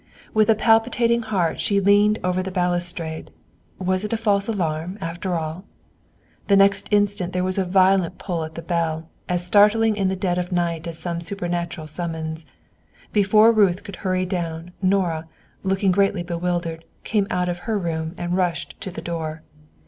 With a palpitating heart she leaned over the balustrade; was it a false alarm, after all? The next instant there was a violent pull at the bell, as startling in the dead of the night as some supernatural summons. Before Ruth could hurry down, Nora, looking greatly bewildered, came out of her room and rushed to the door.